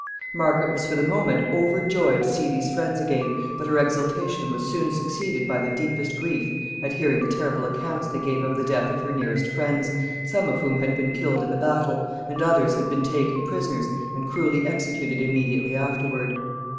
Margaret was for the moment overjoyed to see these friends again, but her exultation was soon succeeded by the deepest grief at hearing the terrible accounts they gave of the death of her nearest friends, some of whom had been killed in the battle, and others had been taken prisoners and cruelly executed immediately afterward.